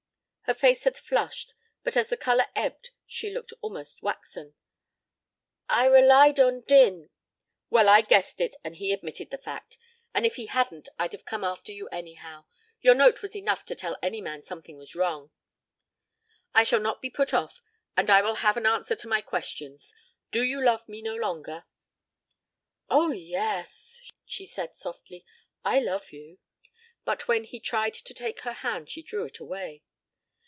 Her face had flushed, but as the color ebbed she looked almost waxen. "I relied on Din " "Well, I guessed it and he admitted the fact. And if he hadn't I'd have come after you, anyhow. Your note was enough to tell any man something was wrong. I shall not be put off and I will have an answer to my questions. Do you love me no longer?" "Oh, yes," she said softly. "I love you." But when he tried to take her hand she drew it away.